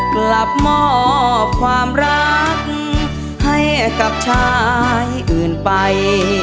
กลับมอบความรักให้กับชายอื่นไป